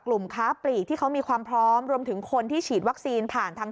ค้าปลีกที่เขามีความพร้อมรวมถึงคนที่ฉีดวัคซีนผ่านทาง